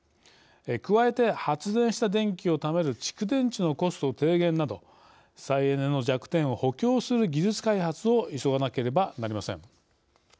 加えて発電した電気をためる蓄電池のコスト低減など再エネの弱点を補強する技術開発を急がなければなりません。